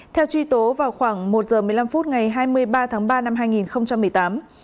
theo truy tố vào khoảng một giờ một mươi năm phút ngày hai mươi ba tháng ba năm hai nghìn một mươi tám